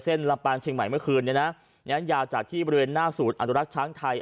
ลำปางเชียงใหม่เมื่อคืนเนี่ยนะยาวจากที่บริเวณหน้าศูนย์อนุรักษ์ช้างไทย